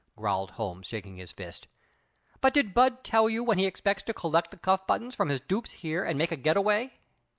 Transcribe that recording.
growled Holmes, shaking his fist. "But did Budd tell you when he expects to collect the cuff buttons from his dupes here and make a get away!"